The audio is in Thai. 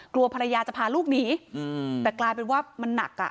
กลัวภรรยาจะพาลูกหนีแต่กลายเป็นว่ามันหนักอ่ะ